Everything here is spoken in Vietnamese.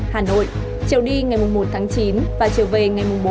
hà nội chiều đi ngày một chín và chiều về ngày bốn chín